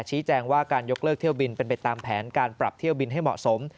ชี้แจงว่าการยกเลิกเที่ยวบินเป็นไปตามแผนการปรับเที่ยวบินให้เหมาะสม